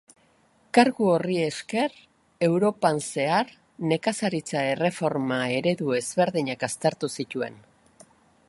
Kargu horri esker Europan zehar nekazaritza erreforma-eredu ezberdinak aztertu zituen.